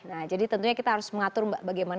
nah jadi tentunya kita harus mengatur bagaimana portfolio